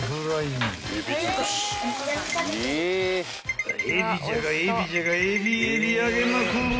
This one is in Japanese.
［エビジャガエビジャガエビエビ揚げまくる！］